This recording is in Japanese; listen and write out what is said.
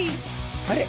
あれ？